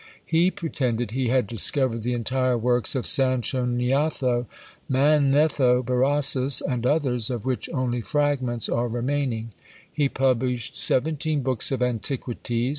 He pretended he had discovered the entire works of Sanchoniatho, Manetho, Berosus, and others, of which only fragments are remaining. He published seventeen books of antiquities!